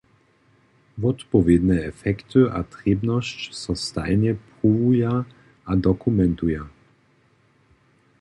Wotpowědne efekty a trěbnosć so stajnje pruwuja a dokumentuja.